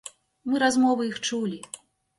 Мы размовы іх чулі.